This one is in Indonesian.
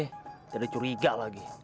tidak ada curiga lagi